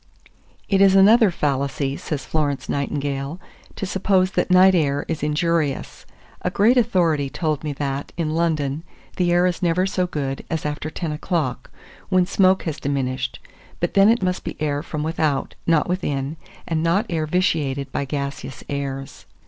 2426. "It is another fallacy," says Florence Nightingale, "to suppose that night air is injurious; a great authority told me that, in London, the air is never so good as after ten o'clock, when smoke has diminished; but then it must be air from without, not within, and not air vitiated by gaseous airs."